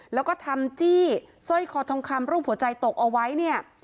แล้วก็ทำจี้สร้อยคอทองคำรูปหัวใจตกเอาไว้เนี่ย